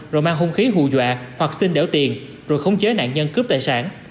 rồi mang hung khí hù dọa hoặc xin đẻo tiền rồi khống chế nạn nhân cướp tài sản